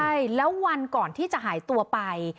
ใช่แล้ววันก่อนที่จะหายตัวไป